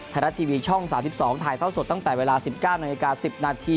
ไทยรัสทีวีช่อง๓๒ถ่ายเต้าสดตั้งแต่เวลา๑๙น๑๐น